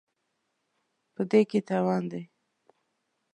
په دې کې تاوان دی.